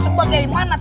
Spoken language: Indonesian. sebagai mana terjadi